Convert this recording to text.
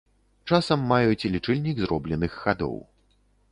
Часам маюць лічыльнік зробленых хадоў.